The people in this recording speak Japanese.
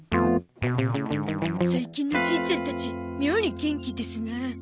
最近のじいちゃんたち妙に元気ですなあ。